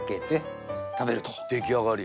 出来上がり？